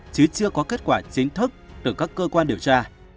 chứ chưa có kết quả chính thức từ các cơ quan điều tra